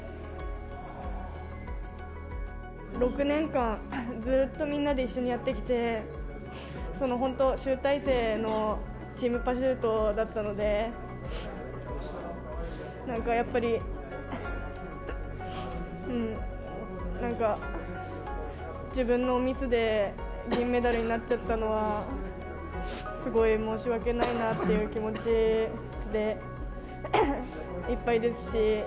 ６年間、ずっとみんなで一緒にやってきて、その本当、集大成のチームパシュートだったので、なんかやっぱり、なんか、自分のミスで銀メダルになっちゃったのは、すごい申し訳ないなっていう気持ちでいっぱいですし。